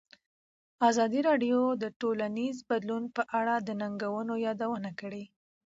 ازادي راډیو د ټولنیز بدلون په اړه د ننګونو یادونه کړې.